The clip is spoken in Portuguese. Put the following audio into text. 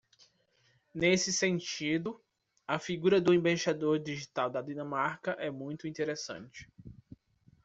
Nesse sentido, a figura do embaixador digital da Dinamarca é muito interessante.